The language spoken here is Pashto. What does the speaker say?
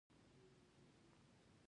د اړیکو قدرت لرل د آمریت صفت دی.